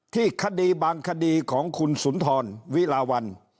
คดีบางคดีของคุณสุนทรวิลาวัน